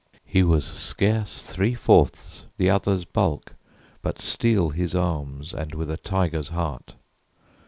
He was scarce Three fourths the other's bulk, but steel his arms, And with a tiger's heart.